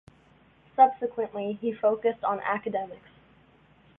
Subsequently, he focused on academics.